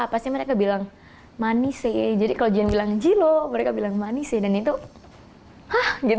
pasti mereka bilang manis ya jadi kalau jihan bilang jilo mereka bilang manis ya dan itu hah gitu